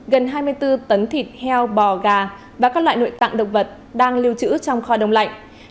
gần hai mươi bốn tấn thịt heo bò gà và các loại nội tạng động vật đang lưu trữ trong kho đông lạnh